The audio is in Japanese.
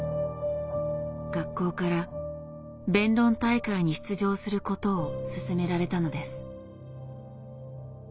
学校から弁論大会に出場することを勧められたのです。